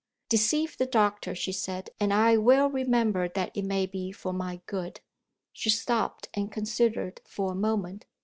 "Deceive the doctor," she said, "and I well remember that it may be for my good." She stopped, and considered for a moment.